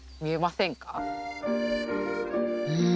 うん